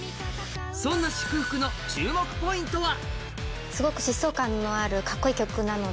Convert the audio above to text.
そんな「祝福」の注目ポイントは？